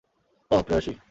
অহ, প্রেয়সী।